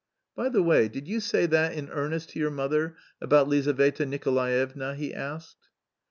"By the way, did you say that in earnest to your mother, about Lizaveta Nikolaevna?" he asked.